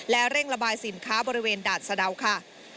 และเร่งระบายสินค้าบริเวณด่านสะดาวค่ะ